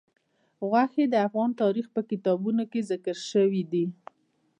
غوښې د افغان تاریخ په کتابونو کې ذکر شوی دي.